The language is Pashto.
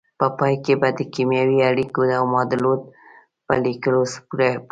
په پای کې به د کیمیاوي اړیکو او معادلو په لیکلو پوه شئ.